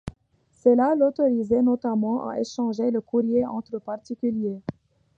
Cela l'autorisait notamment à échanger les courriers entre particuliers.